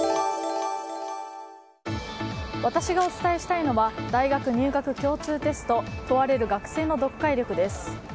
私がお伝えしたいのは大学入学共通テスト問われる学生の読解力です。